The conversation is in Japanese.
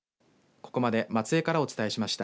ここまで松江からお伝えしました。